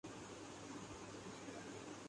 میں دوسروں کے احساسات سے لا تعلق رہتا ہوں